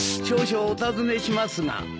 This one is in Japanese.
少々お尋ねしますが。